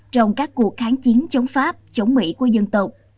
trong các cuộc kháng chiến chống pháp chống mỹ của dân tộc